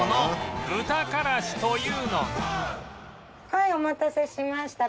はいお待たせしました。